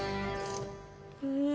うん！